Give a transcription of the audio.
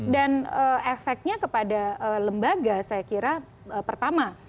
dan efeknya kepada lembaga saya kira pertama